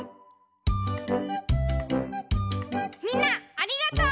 みんなありがとう！